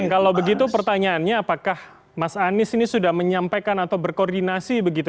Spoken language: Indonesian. kalau begitu pertanyaannya apakah mas anies ini sudah menyampaikan atau berkoordinasi begitu